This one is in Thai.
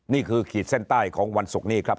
ขีดเส้นใต้ของวันศุกร์นี้ครับ